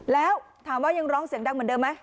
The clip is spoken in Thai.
แล้วถามว่ายังร้องเสียงดังเหมือนเดิมไหม